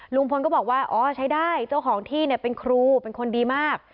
ลุงพลก็บอกว่าอ๋อใช้ได้เจ้าของที่เนี่ยเป็นครูเป็นคนดีมาก